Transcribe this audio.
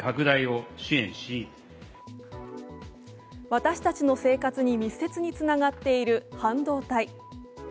私たちの生活に密接につながっている半導体。